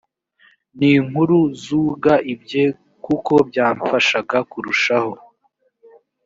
n inkuru z uga ibye kuko byamfashaga kurushaho